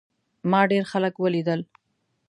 ما ډېر خلک ولیدل.